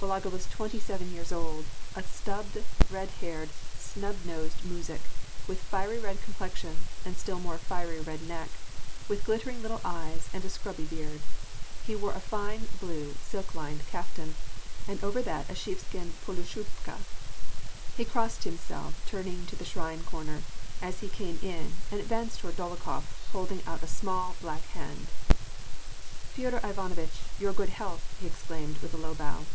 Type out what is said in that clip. Balaga was twenty seven years old, a stubbed, red haired, snub nosed muzhik, with fiery red complexion, and still more fiery red neck, with glittering little eyes, and a scrubby beard. He wore a fine, blue, silk lined kaftan, and over that a sheepskin .polushubka. He crossed himself, turning to the shrine corner, as he came in, and advanced toward Dolokhof, holding out a small, black hand. " Feodor Ivanovitch, your good health," he exclaimed, with a low bow.